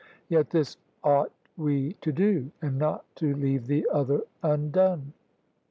Yet this ought we to do, and not to leave the other undone."